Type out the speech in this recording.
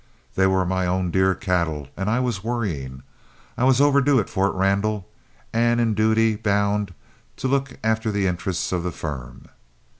They were my own dear cattle, and I was worrying; I was overdue at Fort Randall, and in duty bound to look after the interests of the firm.